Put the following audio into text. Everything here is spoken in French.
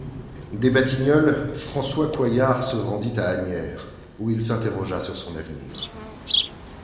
Des Batignolles, François Coillard se rendit à Asnières où il s'interrogea sur son avenir.